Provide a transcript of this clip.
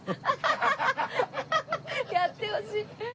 やってほしい。